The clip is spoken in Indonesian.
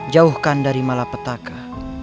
jauhkan dari malapetaka